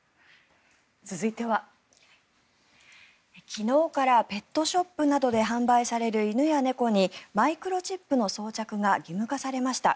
昨日からペットショップなどで販売される犬や猫にマイクロチップの装着が義務化されました。